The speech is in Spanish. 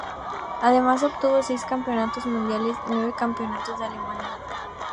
Además obtuvo seis Campeonatos Mundiales y nueve campeonatos de Alemania.